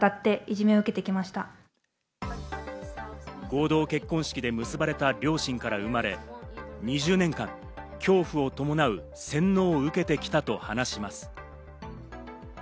合同結婚式で結ばれた両親から生まれ、２０年間、恐怖を伴う洗脳を受けてきたと話します。